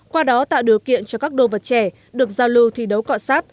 qua đó tạo điều kiện cho các đồ vật trẻ được giao lưu thi đấu cọ sát